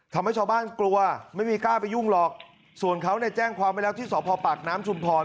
ทำให้ชาวบ้านกลัวไม่มีกล้าไปยุ่งหรอกส่วนเขาเนี่ยแจ้งความไว้แล้วที่สพปากน้ำชุมพร